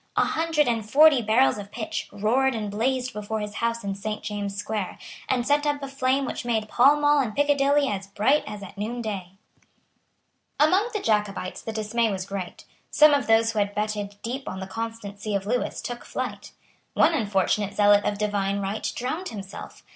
A hundred and forty barrels of pitch roared and blazed before his house in Saint James's Square, and sent up a flame which made Pall Mall and Piccadilly as bright as at noonday. Among the Jacobites the dismay was great. Some of those who had betted deep on the constancy of Lewis took flight. One unfortunate zealot of divine right drowned himself.